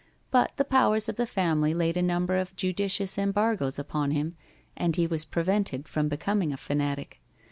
But the powers of the family laid a number of judicious embargoes upon him, and he was prevented from becoming a fanatic.